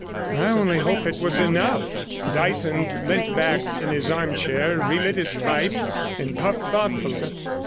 I only hope it was enough.' Dyson leant back in his arm chair, relit his pipe, and puffed thoughtfully.